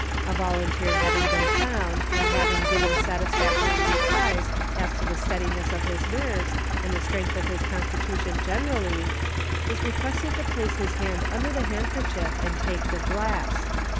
A volunteer having been found, and having given satisfactory replies as to the steadiness of his nerves, and the strength of his constitution generally, is requested to place his hand under the handkerchief and take the glass.